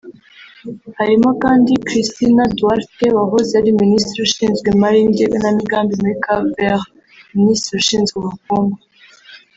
Harimo kandi Cristina Duarte wahoze ari Minisitiri ushinzwe Imari n’Igenamigambi muri Cap Vert; Minisitiri ushinzwe Ubukungu